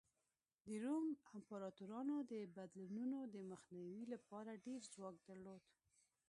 د روم امپراتورانو د بدلونونو د مخنیوي لپاره ډېر ځواک درلود